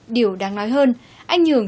điều đáng nói hơn anh nhường